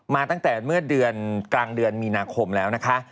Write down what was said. มาตั้งแต่เมื่อเดือนกลางเดือนมีนาคมแล้วนะคะ